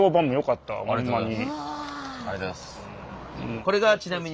これがちなみに。